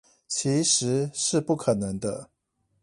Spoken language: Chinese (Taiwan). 其實是不可能的